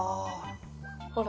ほら！